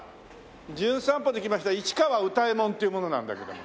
『じゅん散歩』で来ました市川右太衛門っていう者なんだけども。